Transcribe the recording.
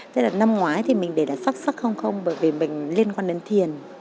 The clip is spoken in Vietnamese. thế là năm ngoái thì mình để ra xác xác không không bởi vì mình liên quan đến thiền